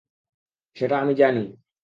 আমি সেটা জানি।